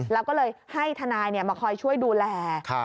แล้วก็เลยให้ทนายมาคอยช่วยดูแล